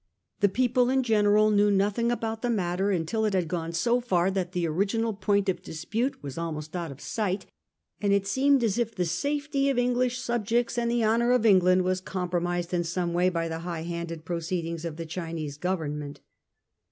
The people in general knew nothing about the matter until it had gone so far that the original point of dispute was almost out of sight, and it seemed as if the safety of English subjects and the honour of England were compromised in some way by the high handed proceedings of the Chinese Go vernment.